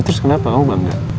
ya terus kenapa kamu bangga